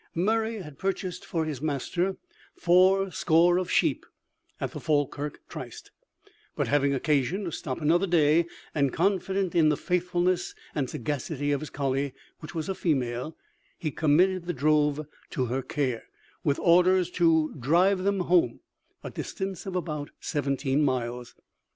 Murray had purchased for his master four score of sheep at the Falkirk Tryst, but having occasion to stop another day, and confident in the faithfulness and sagacity of his colley, which was a female, he committed the drove to her care, with orders to drive them home, a distance of about seventeen miles.